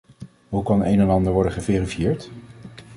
Hoe kan een en ander worden geverifieerd?